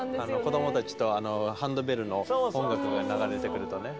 子供たちとあのハンドベルの音楽が流れてくるとね。